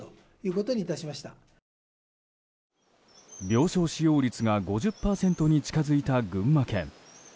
病床使用率が５０％に近づいた群馬県。